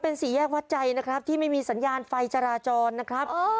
เป็นสี่แยกวัดใจนะครับที่ไม่มีสัญญาณไฟจราจรนะครับ